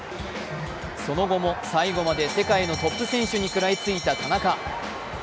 その後も最後まで世界のトップ選手に食らいついた田中。